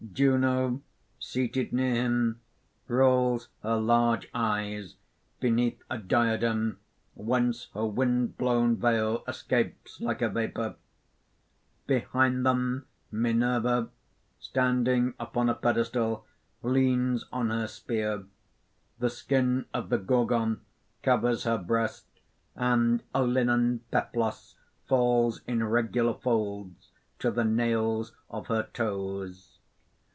_ Juno, seated near him, rolls her large eyes, beneath a diadem whence her wind blown veil escapes like a vapour. _Behind them, Minerva, standing upon a pedestal, leans on her spear. The skin of the Gorgon covers her breast, and a linen peplos falls in regular folds to the nails of her toes.